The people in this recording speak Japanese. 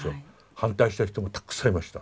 反対した人もたくさんいました。